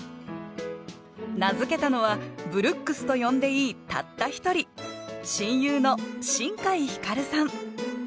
名付けたのは「ブルックス」と呼んでいいたった一人親友の新海光琉さん